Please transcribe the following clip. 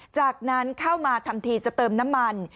จากนั้นเข้ามาทำทีจะเติมน้ำมัน